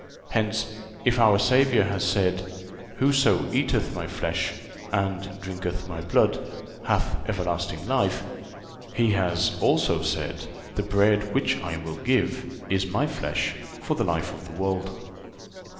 Hence, if our Savior has said: "Whoso eateth My flesh, and drinketh My blood, hath everlasting life," He has also said: "The bread which I will give is My flesh, for the life of the world."